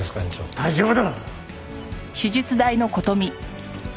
大丈夫だ！